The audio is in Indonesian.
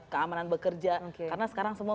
keamanan bekerja karena sekarang semua